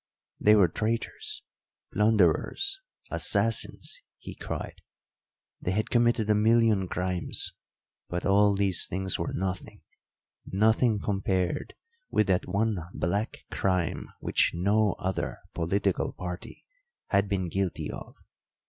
They were traitors, plunderers, assassins, he cried; they had committed a million crimes, but all these things were nothing, nothing compared with that one black crime which no other political party had been guilty of.